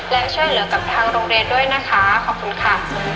และช่วยเหลือกับทางโรงเรียนด้วยนะคะขอบคุณค่ะ